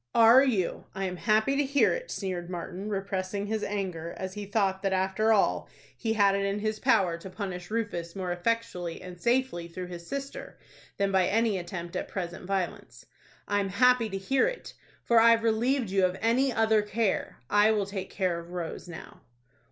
"Are you? I am happy to hear it," sneered Martin, repressing his anger, as he thought that, after all, he had it in his power to punish Rufus more effectually and safely through his sister than by any attempt at present violence. "I'm happy to hear it, for I've relieved you of any other care. I will take care of Rose now."